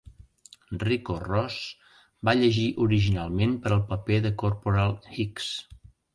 Ricco Ross va llegir originalment per al paper de Corporal Hicks.